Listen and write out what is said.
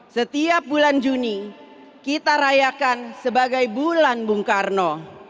pada tanggal enam juni kita rayakan sebagai bulan bung karno